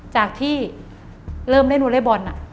จากที่เริ่มเล่นวอเล็กบอล